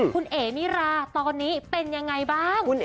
คุณเอ๋มิราตอนนี้เป็นยังไงบ้าง